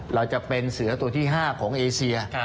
เราจะเป็นเสือตัวที่๕ของเอเชีย